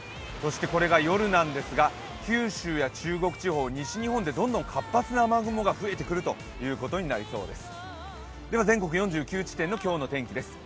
これが夜なんですが九州や中国地方、西日本でどんどん活発な雨雲が増えてくるということになりそうです。